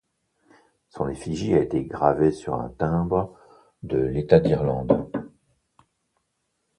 Son effigie a été gravée sur un timbre de l'État d'Irlande.